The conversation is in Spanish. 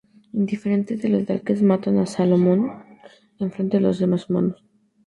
Indiferentes, los Daleks matan a Solomon en frente de los demás humanos.